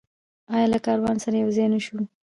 آیا له کاروان سره یوځای نشو؟